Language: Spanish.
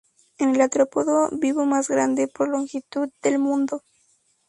Es el artrópodo vivo más grande, por longitud, del mundo.